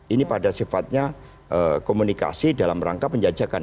ini pada sifatnya komunikasi dalam rangka penjajakan